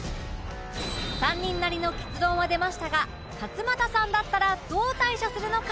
３人なりの結論は出ましたが勝俣さんだったらどう対処するのか？